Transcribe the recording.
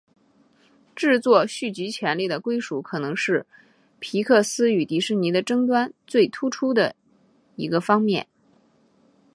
制作续集权利的归属可能是皮克斯与迪士尼的争端最突出的一个方面。